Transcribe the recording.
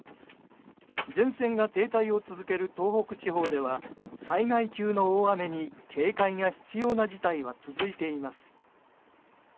前線が停滞を続ける東北地方では災害級の大雨に警戒が必要な事態は続いています。